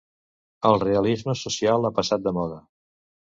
El realisme social ha passat de moda.